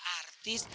namanya juga artis